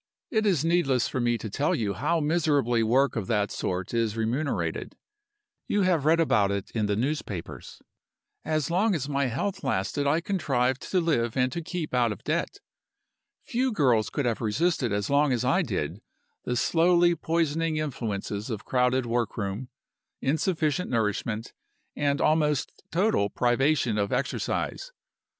It is needless for me to tell you how miserably work of that sort is remunerated: you have read about it in the newspapers. As long as my health lasted I contrived to live and to keep out of debt. Few girls could have resisted as long as I did the slowly poisoning influences of crowded work room, insufficient nourishment, and almost total privation of exercise.